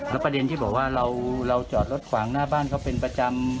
แล้วประเด็นที่บอกว่าเราจอดรถขวางหน้าบ้านเขาเป็นประจำ